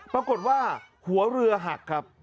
ปรากฏว่าหัวเรือหักครับ